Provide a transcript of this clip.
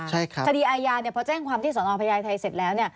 ใช่ครับคดีอายาเพราะแจ้งความที่สนองพยายายไทยเสร็จแล้ว